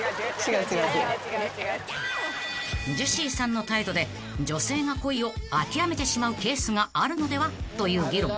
［ジェシーさんの態度で女性が恋を諦めてしまうケースがあるのでは？という議論］